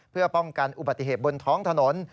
เพื่อป้องกันอุบัติเหตุบนท้องถนน